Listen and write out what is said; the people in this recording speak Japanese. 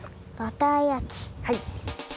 はい。